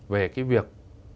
về cái việc